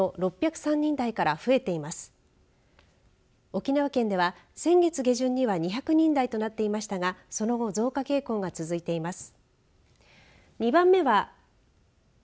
沖縄県では先月下旬には２００人台となっていましたがその後増加傾向が続いています。